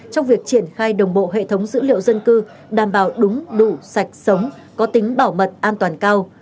trong việc triển khai đồng bộ hệ thống dữ liệu dân cư đảm bảo đúng đủ sạch sống có tính bảo mật an toàn cao